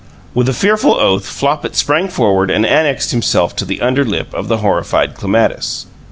With a fearful oath Flopit sprang upward and annexed himself to the under lip of the horrified Clematis.